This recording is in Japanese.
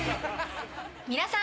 皆さん。